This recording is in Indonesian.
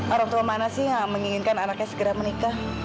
orang tua mana sih yang menginginkan anaknya segera menikah